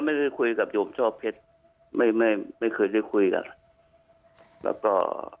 ไม่ได้คุยกับโยมช่อเพชรไม่ไม่ไม่เคยได้คุยกันแล้วก็